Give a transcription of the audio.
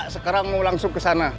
sekarang mau langsung ke sana